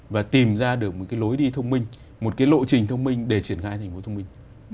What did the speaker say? và tìm ra được một cái lối đi thông minh một cái lộ trình thông minh để triển khai thành phố thông minh